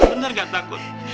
bener gak takut